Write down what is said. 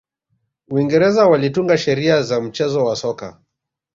uingereza walitunga sheria za mchezo wa soka